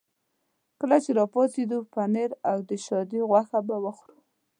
کله چې را پاڅېدو پنیر او د شادي غوښه به وخورو.